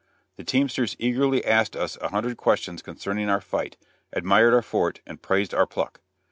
The teamsters eagerly asked us a hundred questions concerning our fight, admired our fort and praised our pluck.